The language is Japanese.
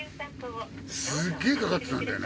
すっげぇかかってたんだよね。